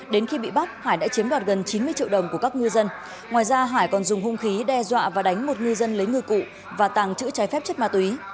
đến khi bị bắt hải đã chiếm đoạt gần chín mươi triệu đồng của các ngư dân ngoài ra hải còn dùng hung khí đe dọa và đánh một ngư dân lấy ngư cụ và tàng trữ trái phép chất ma túy